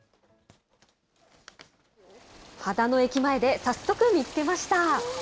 秦野駅前で早速見つけました。